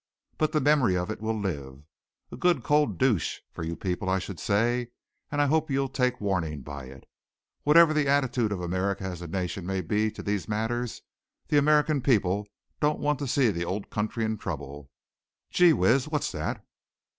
But the memory of it will live. A good cold douche for you people, I should say, and I hope you'll take warning by it. Whatever the attitude of America as a nation may be to these matters, the American people don't want to see the old country in trouble. Gee whiz! What's that?"